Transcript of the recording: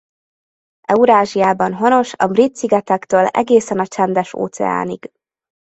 Eurázsiában honos a Brit-szigetektől egészen a Csendes-óceánig.